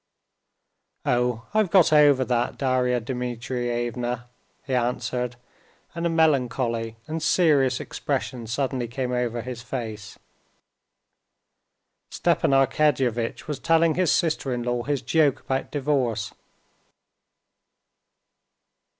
"Oh, I've got over that, Darya Dmitrievna," he answered, and a melancholy and serious expression suddenly came over his face. Stepan Arkadyevitch was telling his sister in law his joke about divorce.